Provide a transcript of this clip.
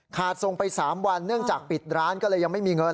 ส่งไป๓วันเนื่องจากปิดร้านก็เลยยังไม่มีเงิน